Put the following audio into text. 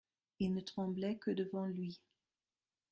Ils ne tremblaient que devant lui.